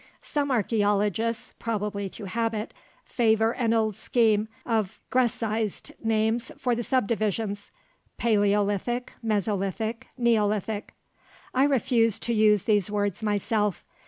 Some archeologists, probably through habit, favor an old scheme of Grecized names for the subdivisions: paleolithic, mesolithic, neolithic. I refuse to use these words myself.